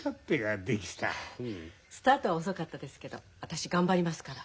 スタートは遅かったですけど私頑張りますから。